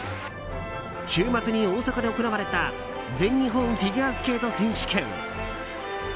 週末に大阪で行われた全日本フィギュアスケート選手権。